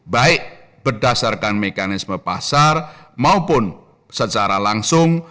baik berdasarkan mekanisme pasar maupun secara langsung